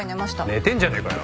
寝てんじゃねえかよ。